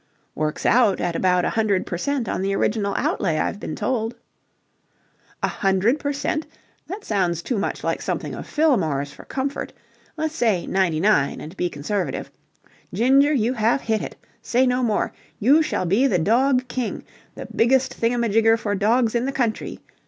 "Works out at about a hundred per cent on the original outlay, I've been told." "A hundred per cent? That sounds too much like something of Fillmore's for comfort. Let's say ninety nine and be conservative. Ginger, you have hit it. Say no more. You shall be the Dog King, the biggest thingamajigger for dogs in the country.